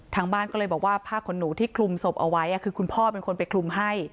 ทางบ้านก็เลยบอกว่าผ้าขนหนูที่คลุมศพเอาไว้คือคุณพ่อเป็นคนไปคลุมให้